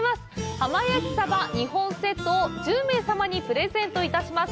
浜焼き鯖２本セットを１０名様にプレゼントいたします。